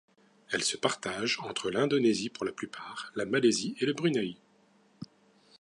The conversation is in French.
Elles se partagent entre l'Indonésie, pour la plupart, la Malaisie et le Brunei.